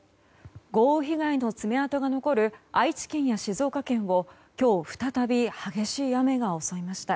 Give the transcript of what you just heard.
豪雨被害の爪痕が残る愛知県や静岡県を今日再び激しい雨が襲いました。